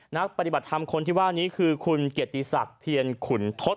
นักปฏิบัติธรรมคนที่ว่านี้คือคุณเกียรติศักดิ์เพียรขุนทศ